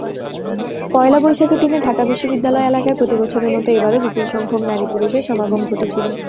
পয়লা বৈশাখের দিনে ঢাকা বিশ্ববিদ্যালয় এলাকায় প্রতিবছরের মতো এবারও বিপুলসংখ্যক নারী-পুরুষের সমাগম ঘটেছিল।